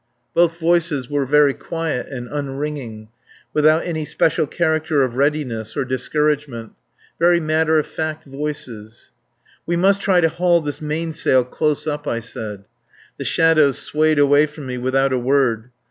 Both voices were very quiet and unringing; without any special character of readiness or discouragement. Very matter of fact voices. "We must try to haul this mainsail close up," I said. The shadows swayed away from me without a word.